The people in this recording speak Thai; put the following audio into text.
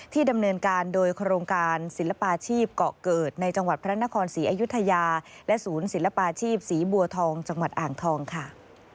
ดำเนินการโดยโครงการศิลปาชีพเกาะเกิดในจังหวัดพระนครศรีอยุธยาและศูนย์ศิลปาชีพศรีบัวทองจังหวัดอ่างทองค่ะ